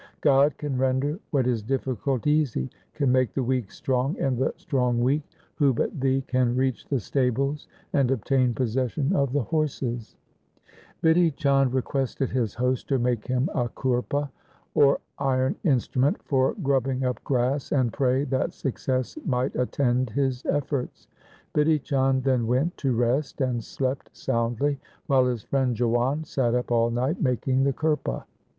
God can render what is difficult easy, can make the weak strong and the strong weak. Who but thee can reach the stables and obtain possession of the horses ?' Bidhi Chand requested his host to make him a khurpa, or iron instrument for grubbing up grass, and pray that success might attend his efforts. Bidhi Chand then went to rest and slept soundly, while his friend Jiwan sat up all night making the khurpa.